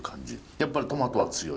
やっぱりトマトは強い。